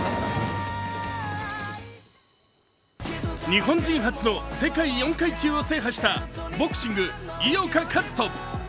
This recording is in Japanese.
日本人初の世界４階級を制覇したボクシング・井岡一翔。